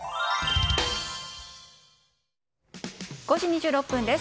５時２６分です。